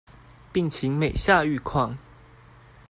病情每下愈況